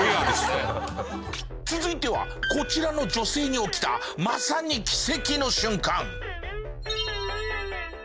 続いてはこちらの女性に起きたまさにおお！